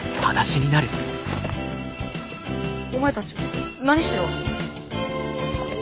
お前たち何してるわけ？